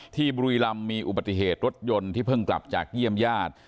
บุรีรำมีอุบัติเหตุรถยนต์ที่เพิ่งกลับจากเยี่ยมญาติ